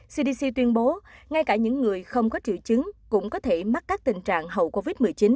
cdc tuyên bố ngay cả những người không có triệu chứng cũng có thể mắc các tình trạng hậu covid một mươi chín